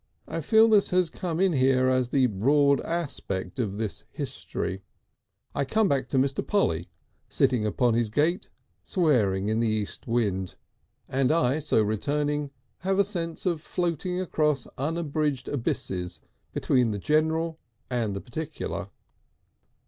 I feel this has come in here as the broad aspect of this History. I come back to Mr. Polly sitting upon his gate and swearing in the east wind, and I so returning have a sense of floating across unbridged abysses between the General and the Particular.